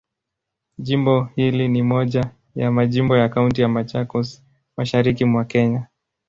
Jimbo hili ni moja ya majimbo ya Kaunti ya Machakos, Mashariki mwa Kenya.